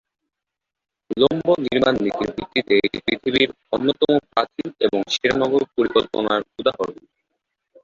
উলম্ব নির্মাণ নীতির ভিত্তিতে এটি পৃথিবীর অন্যতম প্রাচীন এবং সেরা নগর পরিকল্পনার উদাহরণ।